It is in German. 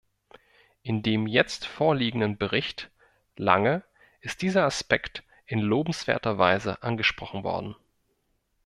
In dem jetzt vorliegenden Bericht Lange ist dieser Aspekt in lobenswerter Weise angesprochen worden.